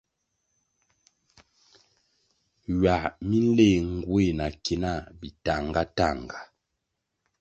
Ywăh mi nléh nguéh na ki nah bitahngatanhga.